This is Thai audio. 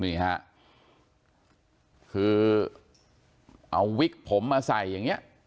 นี่ฮะคือเอาวิกผมมาใส่อย่างนี้